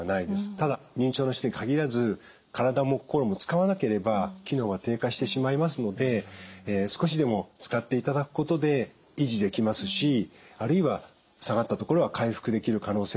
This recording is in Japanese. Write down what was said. ただ認知症の人に限らず体も心も使わなければ機能は低下してしまいますので少しでも使っていただくことで維持できますしあるいは下がったところは回復できる可能性はあると思います。